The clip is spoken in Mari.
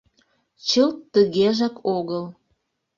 Чылт тыгежак огыл.